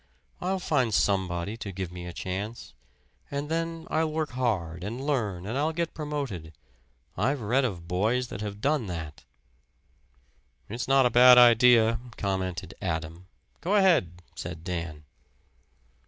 I'll find somebody to give me a chance; and then I'll work hard and learn and I'll get promoted. I've read of boys that have done that." "It's not a bad idea," commented Adam. "Go ahead," said Dan.